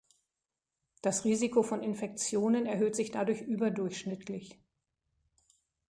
Das Risiko von Infektionen erhöht sich dadurch überdurchschnittlich.